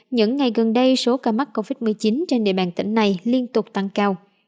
những ngày gần đây số ca mắc covid một mươi chín trên địa bàn tỉnh này liên tục tăng cao